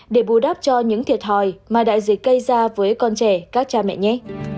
để bù đắp cho những thiệt thòi mà đại dịch gây ra với con trẻ các cha mẹ nhé